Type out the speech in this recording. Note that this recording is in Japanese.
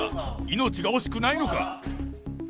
命が惜しくないのか。